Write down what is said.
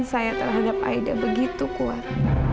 saya terhadap aida begitu kuat